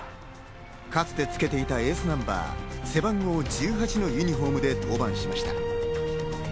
かつてつけていたエースナンバー、背番号１８のユニホームで登板しました。